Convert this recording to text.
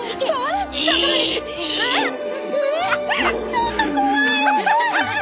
ちょっと怖い！